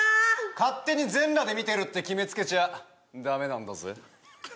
勝手に全裸で見てるって決めつけちゃダメなんだぜ